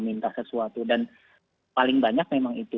minta sesuatu dan paling banyak memang itu